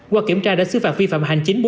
qua kiểm tra đã xứ phạt vi phạm hành chính